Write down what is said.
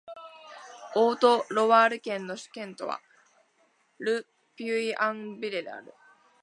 オート＝ロワール県の県都はル・ピュイ＝アン＝ヴレである